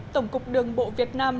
tổng cục đường bộ việt nam